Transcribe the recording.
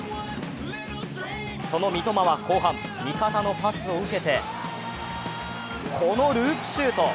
その三笘は後半、味方のパスを受けてこのループシュート。